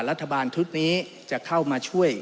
รัฐบาลทุกทธิ์นี้จะเข้ามาช่วย